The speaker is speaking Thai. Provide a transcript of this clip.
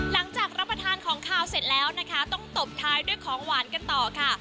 หลังจากรับประทานของขาวเสร็จแล้วนะคะต้องตบท้ายด้วยของหวานกันต่อค่ะ